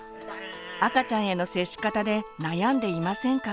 赤ちゃんへの接し方で悩んでいませんか？